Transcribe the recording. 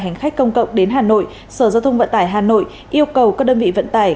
hành khách công cộng đến hà nội sở giao thông vận tải hà nội yêu cầu các đơn vị vận tải